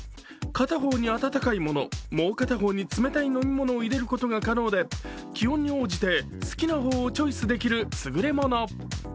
片方に温かいもの、もう片方に冷たい飲み物を入れることが可能で気温に応じて好きな方をチョイスできるすぐれもの。